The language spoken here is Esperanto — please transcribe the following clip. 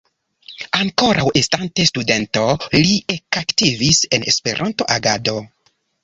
Ankoraŭ estante studento li ekaktivis en Esperanto-agado.